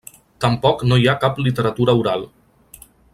Tampoc no hi ha cap literatura oral.